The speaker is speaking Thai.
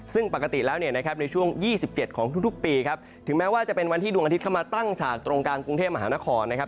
ซึ่งปกติแล้วเนี่ยนะครับในช่วง๒๗ของทุกปีครับถึงแม้ว่าจะเป็นวันที่ดวงอาทิตย์เข้ามาตั้งฉากตรงกลางกรุงเทพมหานครนะครับ